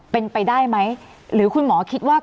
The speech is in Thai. เป็นไปได้ไหมหรือคุณหมอคิดว่า